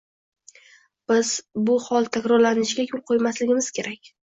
Biz bu hol takrorlanishiga yo‘l qo‘ymasligimiz kerak